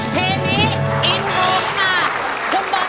เพลงนี้อินโฮมมาก